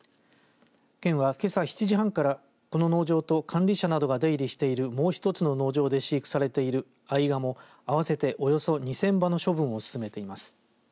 県は、けさ７時半からこの農場と管理者などが出入りしているもう１つの農場で飼育されているアイガモ合わせておよそ２０００羽の処分を進めています。